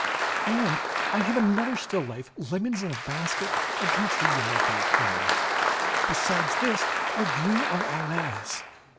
And I have another still life: lemons in a basket against a yellow background. Besides this, a view of Arles.